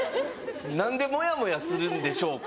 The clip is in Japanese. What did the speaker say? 「何でモヤモヤするんでしょうか」